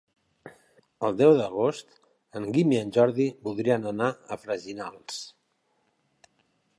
El deu d'agost en Guim i en Jordi voldrien anar a Freginals.